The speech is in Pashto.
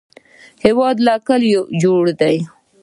هېواد له کلیو جوړ دی